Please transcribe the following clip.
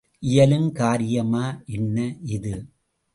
இயலும் காரியமா என்ன இது?